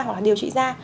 hoặc là điều trị da